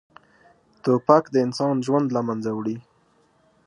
توپک د انسان ژوند له منځه وړي.